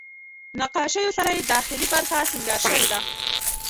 نقاشیو سره یې داخلي برخه سینګار شوې ده.